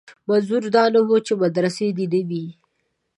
منظور دا نه دی چې مدرسې دې نه وي.